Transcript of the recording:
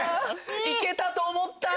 行けたと思った！